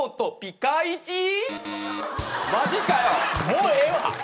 もうええわ！